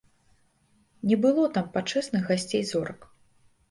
Не было там пачэсных гасцей-зорак.